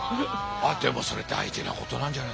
でもそれ大事なことなんじゃないですか。